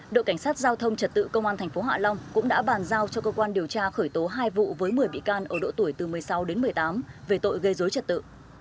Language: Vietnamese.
đội cảnh sát giao thông trật tự công an tp hạ long cũng đã bàn giao cho cơ quan điều tra khởi tố hai vụ với một mươi bị can ở độ tuổi từ một mươi sáu đến một mươi tám về tội gây dối trật tự